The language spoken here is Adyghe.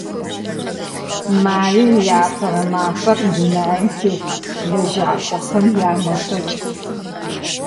Маим и Апэрэ мафэр – дунаим тет лэжьакӀохэм ямэфэкӀ.